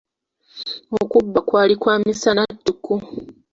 Okubba kwali kwa misana tuku.